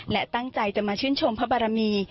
และตั้งใจจะมาชื่นชมพระบารมี